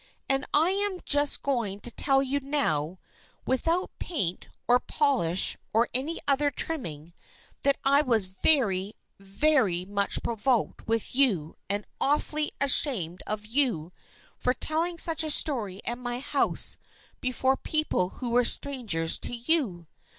And I am just going to tell you now, without paint or polish or any other trimming, that I was very, very much provoked with you and awfully ashamed of you for telling such a story at my house before people who were strangers to you.